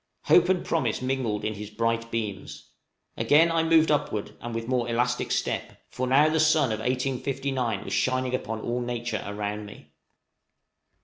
Hope and promise mingled in his bright beams. Again I moved upward, and with more elastic step; for now the sun of 1859 was shining upon all nature around me.